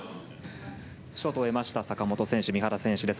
ショートを終えました坂本選手、三原選手です。